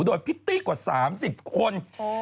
โดยพิตตี้กว่า๓๐คน